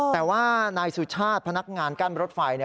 แต่ว่านายสุชาติพนักงานกั้นรถไฟเนี่ย